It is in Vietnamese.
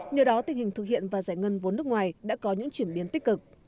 nhờ đó tình hình thực hiện và giải ngân vốn nước ngoài đã có những chuyển biến tích cực